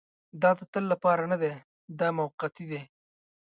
دا د تل لپاره نه دی دا موقتي دی.